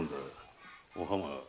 お浜。